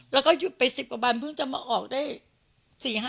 แล้วก็หยุดไป๑๐กว่าวันเพิ่งจะมาออกได้๔๕